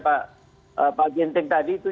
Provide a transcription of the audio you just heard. pak ginting tadi itu